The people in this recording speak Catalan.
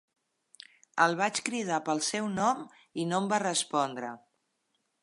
El vaig cridar pel seu nom, i no em va respondre.